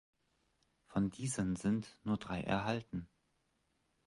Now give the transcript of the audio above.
Von diesen sind nur drei erhalten.